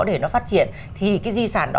để nó phát triển thì cái di sản đó